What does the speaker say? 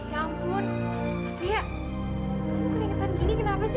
ya ampun satria